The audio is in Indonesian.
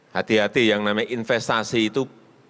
hati hati yang namanya investasi itu